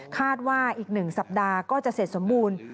คาดว่าอีก๑สัปดาห์ก็จะเสร็จสมบูรณ์